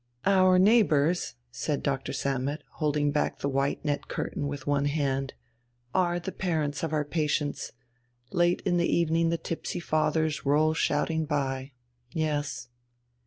"Our neighbours," said Doctor Sammet, holding back the white net curtain with one hand, "are the parents of our patients. Late in the evening the tipsy fathers roll shouting by. Yes."